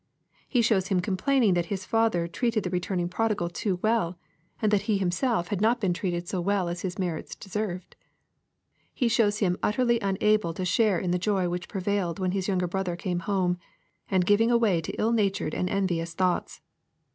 He shows him complaining that his father treated the return \ ing prodigal too well, and that he himself had not been '\ 190 EXPOSITORY THOUGHTS. treated so well as his merits deserved. He shows him utterly unable to share in the joy which prevailed when his younger brother came home, and giving away to ill natured and envious thoughts.